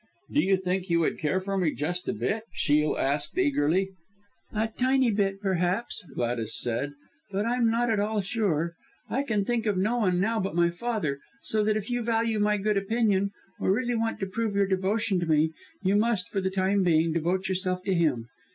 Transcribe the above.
"Do you think you would care for me just a bit?" Shiel asked eagerly. "A tiny, tiny bit, perhaps," Gladys said, "but I'm not at all sure. I can think of no one now but my father, so that if you value my good opinion, or really want to prove your devotion to me, you must, for the time being, devote yourself to him.